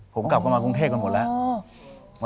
ผมกลับกลับมากรุงเทพฯก่อนหมดแล้ว